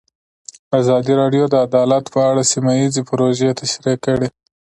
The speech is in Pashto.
ازادي راډیو د عدالت په اړه سیمه ییزې پروژې تشریح کړې.